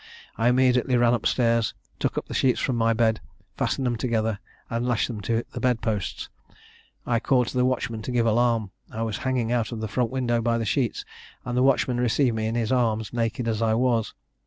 I immediately ran up stairs, took up the sheets from my bed, fastened them together, and lashed them to the bed posts; I called to the watchman to give the alarm; I was hanging out of the front window by the sheets; and the watchman received me in his arms, naked as I was.